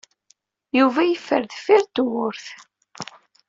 Yuba yeffer deffir tewwurt.